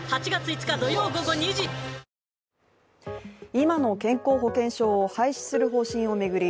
今の健康保険証を廃止する方針を巡り